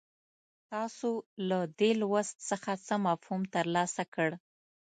تاسو له دې لوست څخه څه مفهوم ترلاسه کړ.